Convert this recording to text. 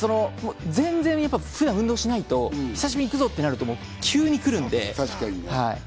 普段運動しないと、久しぶりに行くと急に来るので。